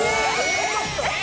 え！